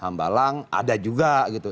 hambalang ada juga gitu